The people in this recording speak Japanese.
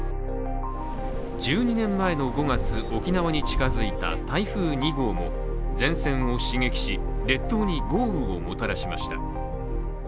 １２年前の５月、沖縄に近づいた台風２号も前線を刺激し、列島に豪雨をもたらしました。